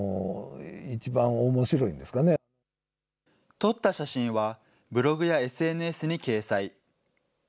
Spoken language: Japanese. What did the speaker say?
撮った写真はブログやＳＮＳに掲載。